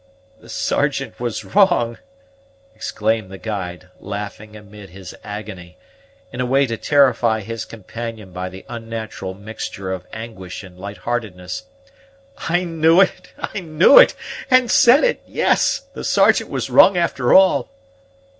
"The Sergeant was wrong!" exclaimed the guide, laughing amid his agony, in a way to terrify his companion by the unnatural mixture of anguish and light heartedness. "I knew it, I knew it, and said it; yes, the Sergeant was wrong after all."